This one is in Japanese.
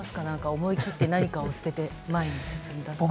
思い切って何かを捨てて前に進んだと。